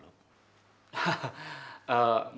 tidak apa apa pak